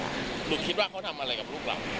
หนูคิดว่าเขาทำอะไรกับลูกเรา